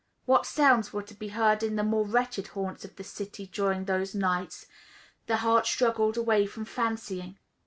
What sounds were to be heard in the more wretched haunts of the city, during those nights, the heart struggled away from fancying.